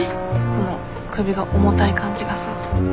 この首が重たい感じがさ。